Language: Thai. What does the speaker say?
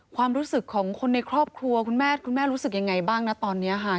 ความรู้สึกของคนในครอบครัวคุณแม่คุณแม่รู้สึกยังไงบ้างนะตอนนี้ค่ะ